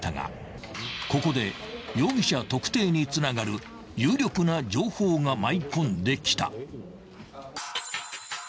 ［ここで容疑者特定につながる有力な情報が舞い込んできた］